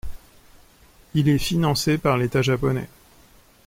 Il est financé par l'État japonais.